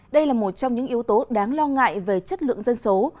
đây là một trong những yếu tố đáng lo ngại về chất lượng dân số